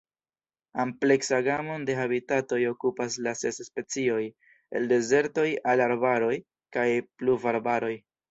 Ampleksa gamon de habitatoj okupas la ses specioj, el dezertoj al arbaroj kaj pluvarbaroj.